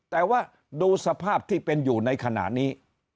แต่ว่าดูสภาพที่เป็นอยู่ในขณะนี้